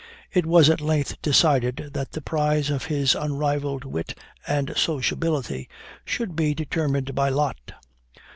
It was at length decided that the prize of his unrivalled wit and sociability should be determined by lot.